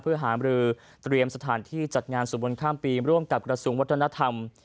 เพื่อหามรือเตรียมสถานที่จัดงานสวบนข้ามปีร่วมกับกระทรวงวัฒนธรรม